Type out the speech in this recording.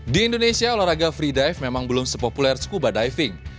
di indonesia olahraga free dive memang belum sepopuler skuba diving